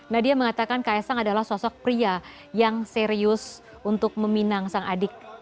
nadia mengatakan kaisang adalah sosok pria yang serius untuk meminang sang adik